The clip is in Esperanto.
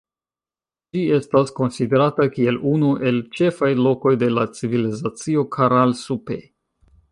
Ĝi estas konsiderata kiel unu el ĉefaj lokoj de la Civilizacio Caral-Supe.